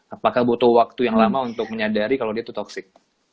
apakah butuh waktu yang lama untuk menyadari kalau dia itu toxic